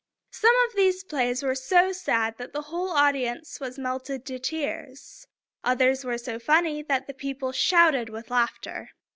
Some of these plays were so sad that the whole audience was melted to tears; others were so funny that the people shouted with laughter.